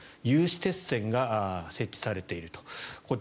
有刺鉄線が設置されていると。